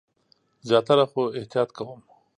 زیاتره، خو احتیاط کوم